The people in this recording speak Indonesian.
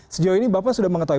sejauh ini bapak sudah mengetahui